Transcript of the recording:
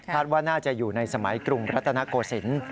ว่าน่าจะอยู่ในสมัยกรุงรัตนโกศิลป์